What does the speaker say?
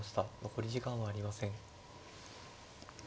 残り時間はありません。